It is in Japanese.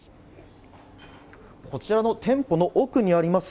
こちらの店舗の奥にあります